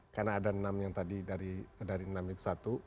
karena ada enam yang tadi dari enam itu satu